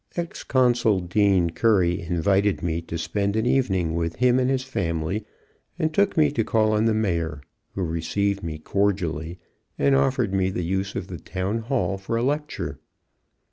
Ex Consul Dean Currie invited me to spend an evening with him and his family, and took me to call on the Mayor, who received me cordially and offered me the use of the Town Hall for a lecture.